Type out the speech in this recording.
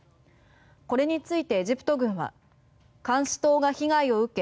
これについてエジプト軍は監視塔が被害を受け